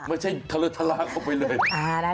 ไม่ใช่ทะละเข้าไปเลย